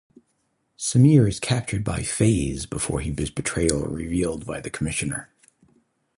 Sameer is captured by Faiz before his betrayal is revealed by the commissioner.